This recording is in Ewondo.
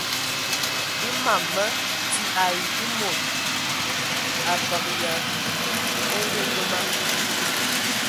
E mam mə ti ai e mod a mbəgə yə a ongəngəma.